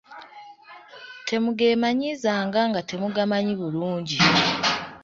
Temugeemanyiizanga nga temugamanyi bulungi.